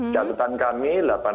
jalutan kami delapan ratus empat